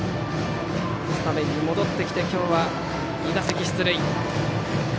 スタメンに戻ってきて今日は２打席出塁。